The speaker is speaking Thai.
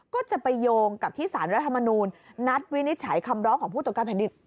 ก็จะไปโยงกับที่สารรัฐมนูลนัดวินิจฉัยคำร้องของผู้ตรวจการแผ่นดิน